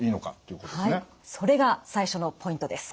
それが最初のポイントです。